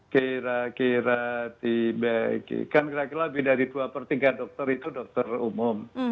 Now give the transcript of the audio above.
kira kira kan kira kira lebih dari dua per tiga dokter itu dokter umum